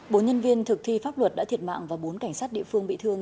bốn nhân viên thực thi pháp luật đã thiệt mạng và bốn cảnh sát địa phương bị thương